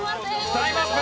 タイムアップ。